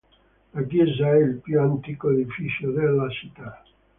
La chiesa è il più antico edificio della città.